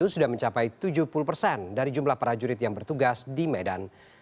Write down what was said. sudah mencapai tujuh puluh persen dari jumlah prajurit yang bertugas di medan